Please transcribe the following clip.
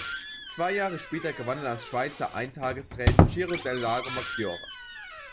Zwei Jahre später gewann er das Schweizer Eintagesrennen Giro del Lago Maggiore.